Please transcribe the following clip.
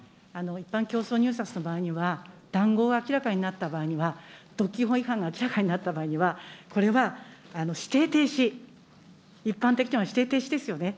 一般競争入札の場合には、談合が明らかになった場合には、独禁法違反が明らかになった場合には、これは指定停止、一般的には指定停止ですよね。